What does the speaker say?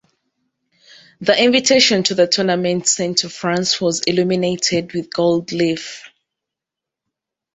The invitation to the tournament sent to France was illuminated with gold leaf.